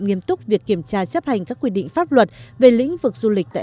như tôi biết việt nam tập trung vào hai văn hóa